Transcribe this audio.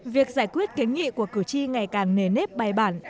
việc giải quyết kiến nghị của cử tri ngày càng nề nếp bài bản